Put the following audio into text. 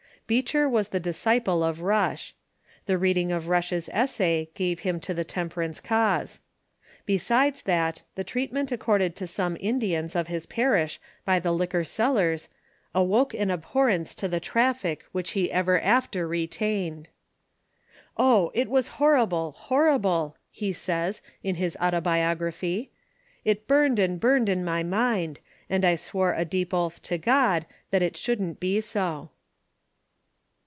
Becchcr was the disciple of Hush. The reading of Rush's essay gave him to the Temperance cause. Besides that, the treatment accorded to some Indians of his j^arish by the liquor sellers awoke an abhorrence to the traffic which he ever after retained. "Oh, it was horrible, horrible !*' he says in liis "Autobiogra phy." " It burned and burned in my mind ; and I swore a deep oath to God that it shouldn't be so."